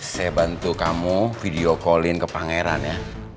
saya bantu kamu video call in ke pangeran ya